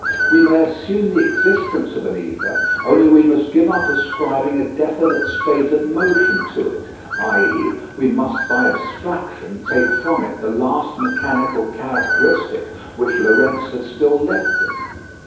We may assume the existence of an ether; only we must give up ascribing a definite state of motion to it, i.e. we must by abstraction take from it the last mechanical characteristic which Lorentz had still left it.